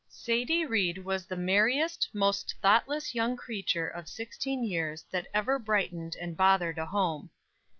Sadie Ried was the merriest, most thoughtless young creature of sixteen years that ever brightened and bothered a home.